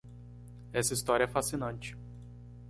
Essa história é fascinante.